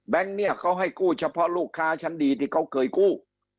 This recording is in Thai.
เนี่ยเขาให้กู้เฉพาะลูกค้าชั้นดีที่เขาเคยกู้